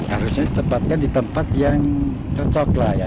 harusnya ditempatkan di tempat yang cocok lah ya